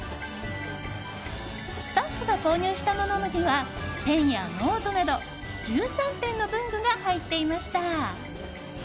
スタッフが購入したものにはペンやノートなど１３点の文具が入っていました。